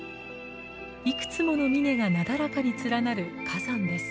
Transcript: いくつもの峰がなだらかに連なる火山です。